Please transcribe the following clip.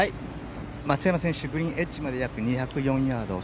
松山選手グリーンエッジまで約２０４ヤード。